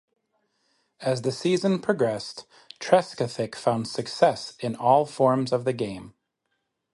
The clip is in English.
As the season progressed, Trescothick found success in all forms of the game.